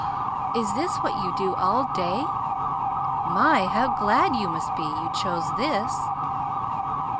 "Is this what you do all day? My, how glad you must be you chose this!"